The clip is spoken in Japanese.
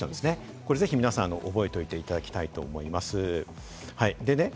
これぜひ皆さん覚えておいていただきたいと思います。